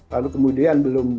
lalu kemudian belum